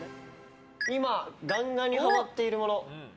今、ガンガンにハマっているもの。